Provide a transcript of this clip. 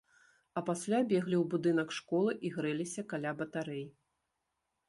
А пасля беглі ў будынак школы і грэліся каля батарэй.